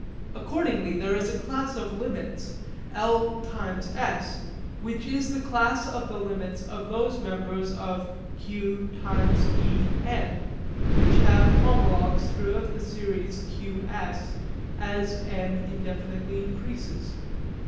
Accordingly there is a class of limits l(s) which is the class of the limits of those members of q(e_{n}) which have homologues throughout the series q(s) as n indefinitely increases.